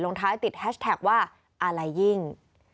ท้ายติดแฮชแท็กว่าอะไรยิ่ง